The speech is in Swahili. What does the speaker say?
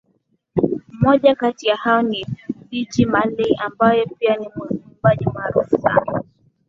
Mmoja kati ya hao ni Ziggy Marley ambaye pia ni mwimbaji maarufu sana